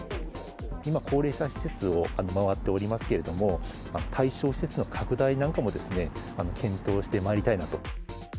今、高齢者施設を回っておりますけれども、対象施設の拡大なんかも、検討してまいりたいなと。